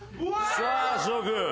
さあ諸君。